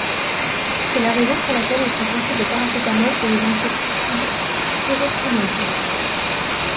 C'est la raison pour laquelle ils sont sensibles au paracétamol et aux insecticides Pyréthrinoïdes.